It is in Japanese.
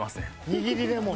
握りレモン。